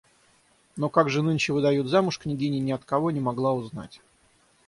Но как же нынче выдают замуж, княгиня ни от кого не могла узнать.